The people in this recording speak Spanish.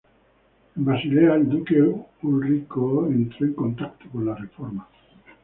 En Basilea, el duque Ulrico entró en contacto con la Reforma.